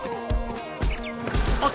あっ！